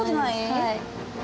はい。